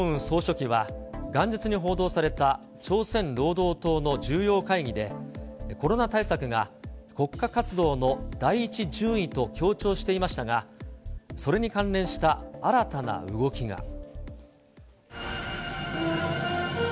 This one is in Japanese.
総書記は、元日に報道された朝鮮労働党の重要会議で、コロナ対策が国家活動の第１順位と強調していましたが、それに関連した新たな動きが。